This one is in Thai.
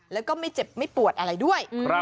แล้วก็ไม่เจ็บไม่ปวดอะไรด้วย